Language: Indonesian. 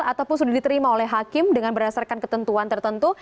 ataupun sudah diterima oleh hakim dengan berdasarkan ketentuan tertentu